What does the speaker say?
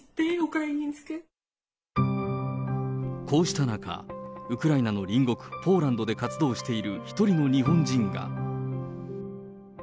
こうした中、ウクライナの隣国、ポーランドで活動している一人の日本人が。